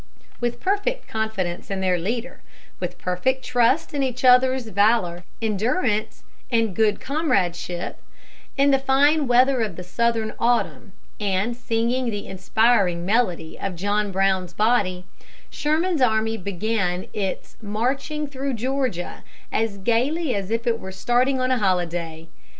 With perfect confidence in their leader, with perfect trust in each others' valor, endurance and good comradeship, in the fine weather of the Southern autumn, and singing the inspiring melody of "John Brown's Body," Sherman's army began its "marching through Georgia" as gaily as if it were starting on a holiday.